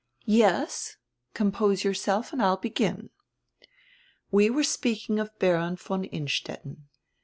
"Yes, compose yourself and I'll begin. We were speak ing of Baron von Innstetten.